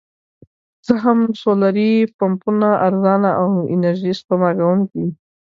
که څه هم سولري پمپونه ارزانه او انرژي سپما کوونکي دي.